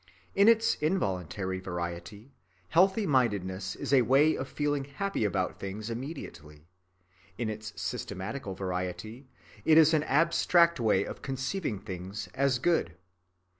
In its involuntary variety, healthy‐ mindedness is a way of feeling happy about things immediately. In its systematical variety, it is an abstract way of conceiving things as good.